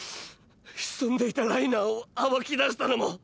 潜んでいたライナーを暴き出したのも。